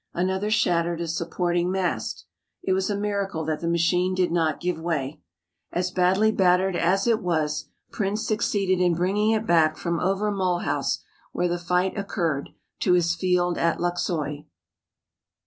Another shattered a supporting mast. It was a miracle that the machine did not give way. As badly battered as it was Prince succeeded in bringing it back from over Mulhouse, where the fight occurred, to his field at Luxeuil.